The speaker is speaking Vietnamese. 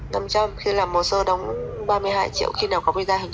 lâm trâm khi làm mồ sơ đóng ba mươi hai triệu khi nào có visa hành toàn lúc